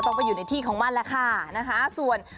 ก็ต้องไปอยู่ในที่ของมันแล้วค่ะส่วน